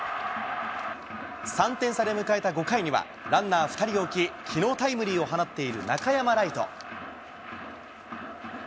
３点差で迎えた５回には、ランナー２人を置き、きのう、タイムリーを放っている中山礼都。